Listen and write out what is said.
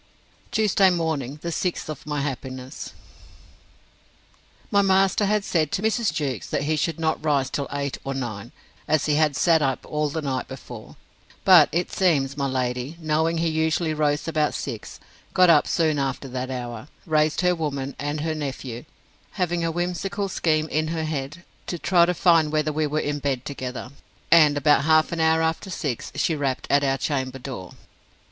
Tuesday morning, the sixth of my happiness. My master had said to Mrs. Jewkes, that he should not rise till eight or nine, as he had sat up all the night before: but it seems, my lady, knowing he usually rose about six, got up soon after that hour; raised her woman and her nephew; having a whimsical scheme in her head, to try to find whether we were in bed together: And, about half an hour after six, she rapped at our chamber door.